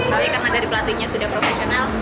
tapi karena dari pelatihnya sudah profesional